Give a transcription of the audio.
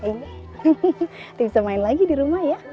ini bisa main lagi di rumah ya